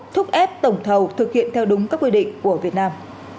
thúc ép tổng thầu thực hiện theo đúng các quy định của việt nam